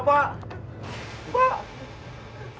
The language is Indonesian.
bawa ke dalam